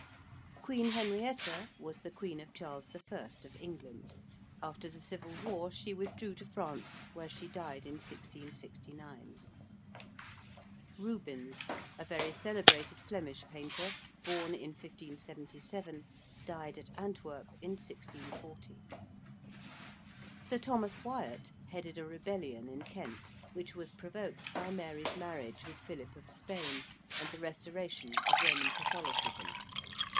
~Queen Henrietta~ was the queen of Charles I. of England. After the Civil War she withdrew to France, where she died in 1669. ~Rubens~: a very celebrated Flemish painter, born in 1577, died at Antwerp in 1640. ~Sir Thomas Wyatt~ headed a rebellion in Kent, which was provoked by Mary's marriage with Philip of Spain and the restoration of Roman Catholicism.